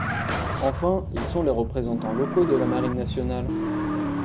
Enfin, ils sont les représentants locaux de la Marine Nationale.